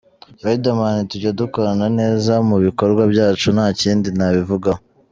Riderman tujya dukorana neza mu bikorwa byacu nta kindi nabivugaho.